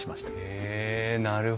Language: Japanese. へえなるほど。